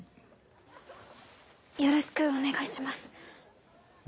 よろしくお願いします。